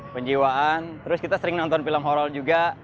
penjiwaan terus kita sering nonton film horal juga